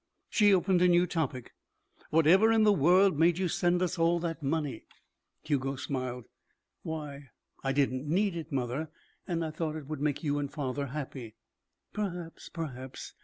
She opened a new topic. "Whatever in the world made you send us all that money?" Hugo smiled. "Why I didn't need it, mother. And I thought it would make you and father happy." "Perhaps. Perhaps.